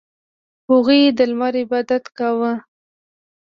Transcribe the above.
• هغوی د لمر عبادت کاوه.